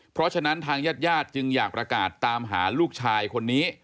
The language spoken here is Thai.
เพราะฉะนั้นทางญาติญาติจึงอยากประกาศตามหาลูกชายคนนี้